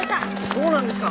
そうなんですか。